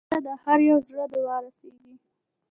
مړه ته د هر یو زړه دعا رسېږي